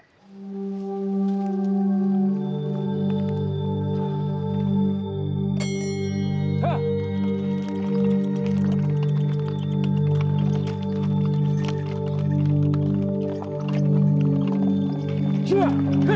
terima kasih barchesa